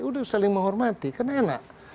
udah saling menghormati karena enak